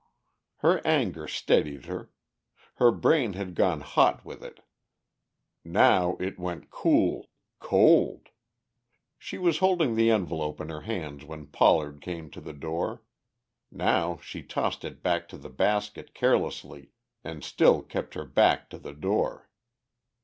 Her anger steadied her. Her brain had gone hot with it; now it went cool, cold. She was holding the envelope in her hands when Pollard came to the door; now she tossed it back to the basket carelessly and still kept her back to the door.